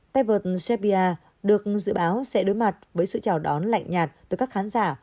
tay vợt serbia được dự báo sẽ đối mặt với sự chào đón lạnh nhạt từ các khán giả